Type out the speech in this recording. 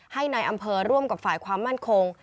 ให้ในอำเภอร่วมกับฝ่ายความมั่นคง